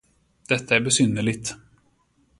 Detta är besynnerligt.